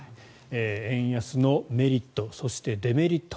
円安のメリットそしてデメリット